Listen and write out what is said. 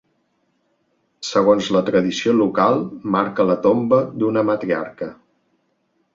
Segons la tradició local marca la tomba d'una matriarca.